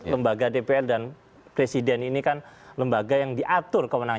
lembaga dpr dan presiden ini kan lembaga yang diatur kewenangannya